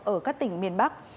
ở các tỉnh miền bắc